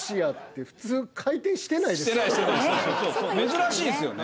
珍しいですよね。